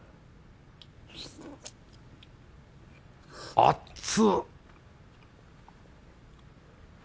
あっつ！